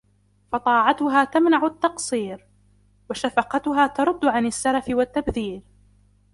فَطَاعَتُهَا تَمْنَعُ التَّقْصِيرَ ، وَشَفَقَتُهَا تَرُدُّ عَنْ السَّرَفِ وَالتَّبْذِيرِ